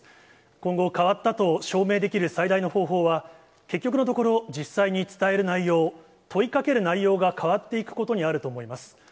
今後、変わったと証明できる最大の方法は、結局のところ、実際に伝える内容、問いかける内容が変わっていくことにあると思います。